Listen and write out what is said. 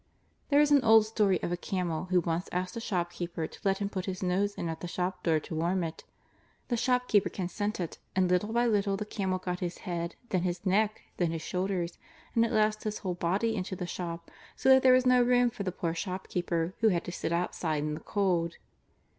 There is an old story of a camel who once asked a shopkeeper to let him put his nose in at the shop door to warm it. The shopkeeper consented, and little by little the camel got his head, then his neck, then his shoulders and at last his whole body into the shop, so that there was no room for the poor shopkeeper, who had to sit outside in the cold.